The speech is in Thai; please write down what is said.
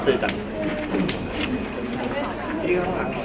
สวัสดีครับ